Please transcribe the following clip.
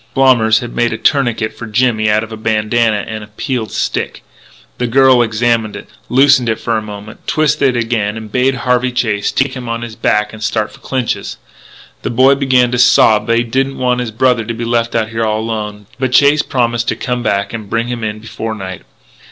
Blommers had made a tourniquet for Jimmy out of a bandanna and a peeled stick. The girl examined it, loosened it for a moment, twisted it again, and bade Harvey Chase take him on his back and start for Clinch's. The boy began to sob that he didn't want his brother to be left out there all alone; but Chase promised to come back and bring him in before night.